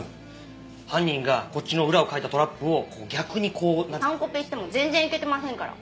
犯人がこっちの裏をかいたトラップを逆にこうなんつうか。完コピしても全然イケてませんから。